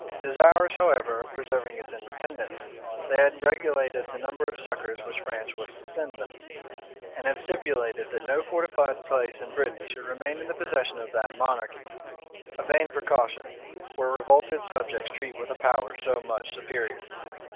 Desirous, however, of preserving its independency, they had regulated the number of succors which France was to send them, and had stipulated that no fortified place in Brittany should remain in the possession of that monarchy; a vain precaution, where revolted subjects treat with a power so much superior!